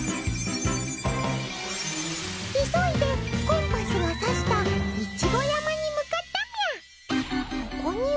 急いでコンパスが指した一五山に向かったみゃ。